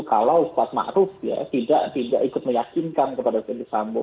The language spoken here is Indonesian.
kalau kuat ma'ruf ya tidak ikut meyakinkan kepada fadis sambo